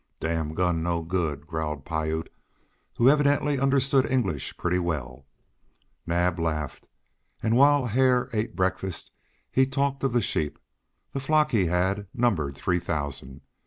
"Damn gun no good!" growled Piute, who evidently understood English pretty well. Naab laughed, and while Hare ate breakfast he talked of the sheep. The flock he had numbered three thousand.